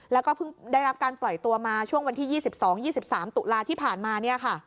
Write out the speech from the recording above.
แล้วก็เพิ่งได้รับการปล่อยตัวมาช่วงวันที่๒๒๒๓ตุลาที่ผ่านมา